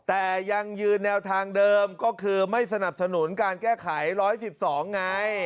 แต่ยังยืนแนวทางเดิมก็คือไม่สนับสนุนการแก้ไข๑๑๒ไง